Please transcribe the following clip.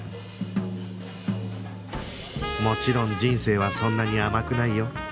もちろん人生はそんなに甘くないよ